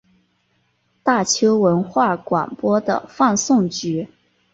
大邱文化广播的放送局。